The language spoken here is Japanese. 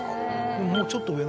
もうちょっと上の方は。